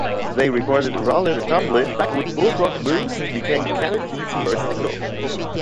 They recorded "Rollin' and Tumblin'" backed with "Bullfrog Blues" became Canned Heat's first single.